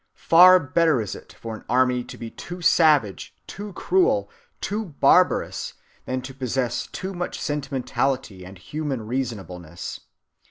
Far better is it for an army to be too savage, too cruel, too barbarous, than to possess too much sentimentality and human reasonableness.